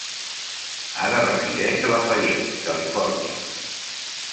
Ara resideix a Lafayette, Califòrnia.